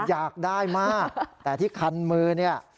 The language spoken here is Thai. อยากได้มากแต่ที่คันมือเนี่ย